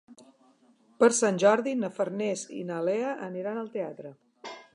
Per Sant Jordi na Farners i na Lea aniran al teatre.